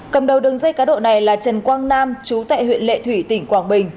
cầm đầu đường dây cá độ này là trần quang nam chú tại huyện lệ thủy tỉnh quảng bình